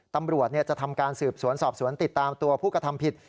ตำรวจจะทำการสืบสวนสอบสวนติดตามตัวผู้กระทำผิด